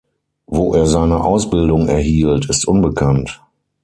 Wo er seine Ausbildung erhielt, ist unbekannt.